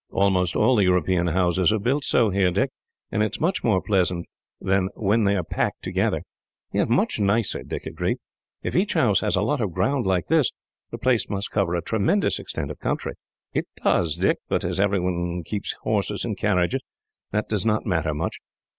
"Almost all the European houses are built so, here, Dick, and it is much more pleasant than when they are packed together." "Much nicer," Dick agreed. "If each house has a lot of ground like this, the place must cover a tremendous extent of country." "It does, Dick; but, as every one keeps horses and carriages, that does not matter much.